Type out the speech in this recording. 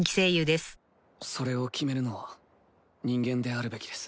「それを決めるのは人間であるべきです」